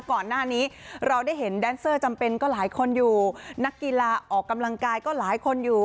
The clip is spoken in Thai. ก่อนหน้านี้เราได้เห็นแดนเซอร์จำเป็นก็หลายคนอยู่นักกีฬาออกกำลังกายก็หลายคนอยู่